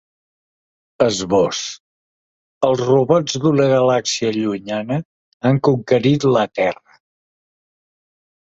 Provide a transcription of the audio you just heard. Esbós: Els robots d’una galàxia llunyana han conquerit la terra.